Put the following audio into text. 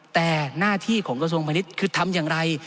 แต่หน้าที่ของกระทรวงพาณิชย์คือทำอย่างไร